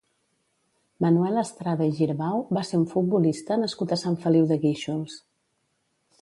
Manuel Estrada i Girbau va ser un futbolista nascut a Sant Feliu de Guíxols.